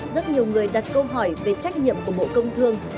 rất nhiều người đặt câu hỏi về trách nhiệm của bộ công thương